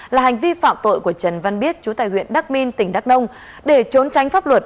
là hành vi phạm tội của trần văn biết chú tại huyện đắc minh tỉnh đắc đông để trốn tránh pháp luật